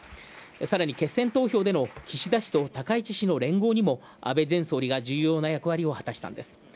さらに決選投票でも岸田氏と高市氏の連合にも安倍前総理が重要な役割を果たしたんです。